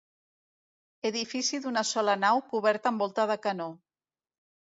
Edifici d'una sola nau cobert amb volta de canó.